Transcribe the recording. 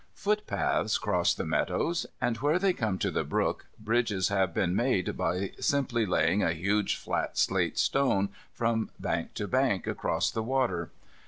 Footpaths cross the meadows, and where they come to the brook, bridges have been made by simply laying a huge flat slate stone from bank to bank across the water.